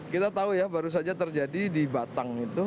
kita tahu ya baru saja terjadi di batang itu